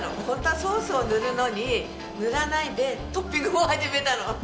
本当はソースを塗るのに塗らないでトッピングを始めたの。